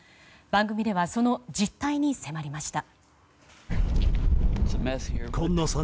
番組ではその実態に迫りました。